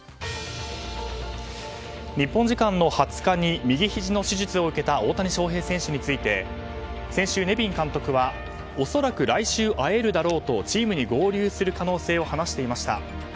日本時間の２０日に右ひじの手術を受けた大谷翔平選手について先週、ネビン監督は恐らく来週会えるだろうとチームに合流する可能性を話していました。